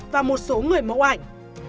và một số người mẫu ảnh